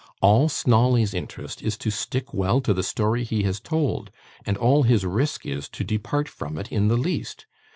All Snawley's interest is to stick well to the story he has told; and all his risk is, to depart from it in the least.